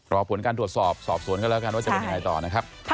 รอผลการตรวจสอบสอบสวนกันแล้วกันว่าจะเป็นยังไงต่อนะครับ